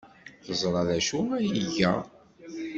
Teẓra d acu ay iga?